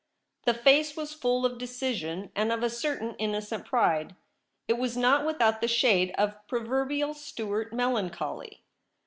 The face was full of decision and of a certain innocent pride ; it was not without the shade of proverbial Stuart melancholy.